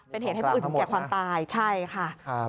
เป็นเหตุให้ผู้อื่นถึงแก่ความตายใช่ค่ะ